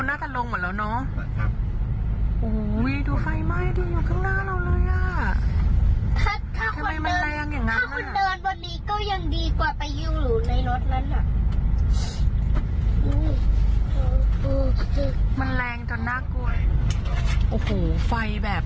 นี่คือทางดวดเราอยู่บนทางดวดไปโรงเรียนกันนะ